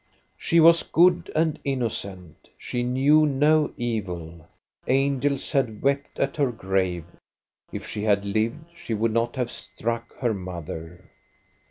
'* She was good and innocent ; she knew no evil. Angels had wept at her grave. If she had lived, she would not have struck her mother."